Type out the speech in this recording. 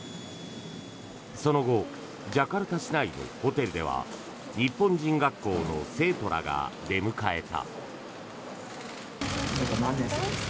その後ジャカルタ市内のホテルでは日本人学校の生徒らが出迎えた。